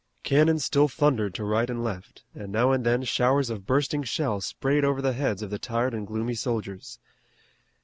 Cannon still thundered to right and left, and now and then showers of bursting shell sprayed over the heads of the tired and gloomy soldiers.